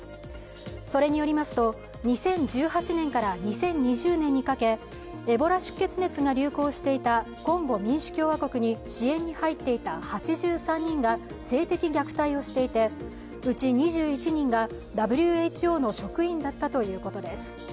それによりますと、２０１８年から２０２０年にかけエボラ出血熱が流行していたコンゴ民主共和国に支援に入っていた８３人が性的虐待をしていてうち２１人がＷＨＯの職員だったということです。